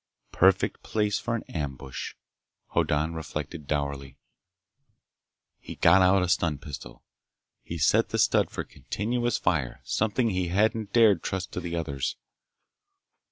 "Perfect place for an ambush," Hoddan reflected dourly. He got out a stun pistol. He set the stud for continuous fire—something he hadn't dared trust to the others.